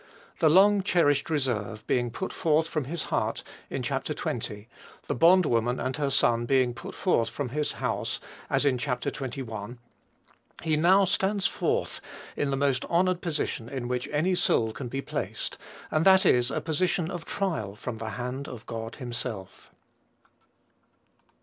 The long cherished reserve being put forth from his heart, in Chap. xx. the bond woman and her son being put forth from his house, as in Chap. xxi., he now stands forth in the most honored position in which any soul can be placed, and that is a position of trial from the hand of God himself.